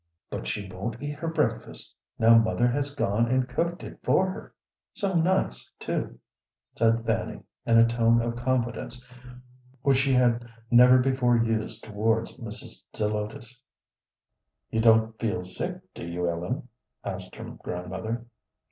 "But she won't eat her breakfast, now mother has gone and cooked it for her, so nice, too," said Fanny, in a tone of confidence which she had never before used towards Mrs. Zelotes. "You don't feel sick, do you, Ellen?" asked her grandmother.